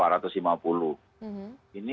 ini mendaftar yang berapa